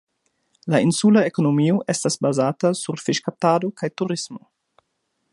La insula ekonomio estas bazata sur fiŝkaptado kaj turismo.